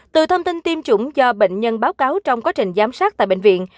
từ thông tin tiêm chủng do bệnh nhân báo cáo trong quá trình giám sát tại bệnh viện